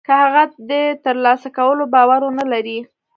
که هغه د تر لاسه کولو باور و نه لري.